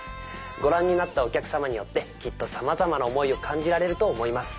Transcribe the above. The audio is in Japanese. ご覧になったお客さまによってきっとさまざまな思いを感じられると思います。